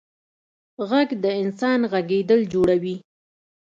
غږ د انسان غږېدل جوړوي.